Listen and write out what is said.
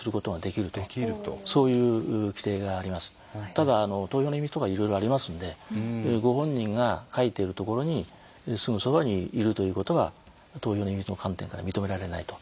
ただ投票の秘密とかいろいろありますんでご本人が書いているところにすぐそばにいるということは投票の秘密の観点から認められないと。